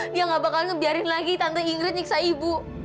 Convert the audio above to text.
dia gak bakal ngebiarin lagi tanda ingrid niksa ibu